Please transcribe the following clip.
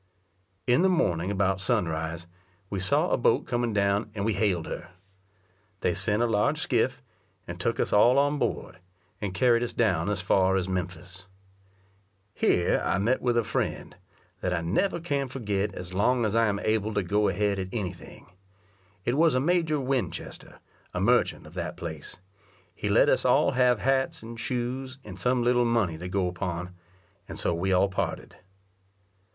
In the morning about sunrise, we saw a boat coming down, and we hailed her. They sent a large skiff, and took us all on board, and carried us down as far as Memphis. Here I met with a friend, that I never can forget as long as I am able to go ahead at any thing; it was a Major Winchester, a merchant of that place: he let us all have hats, and shoes, and some little money to go upon, and so we all parted.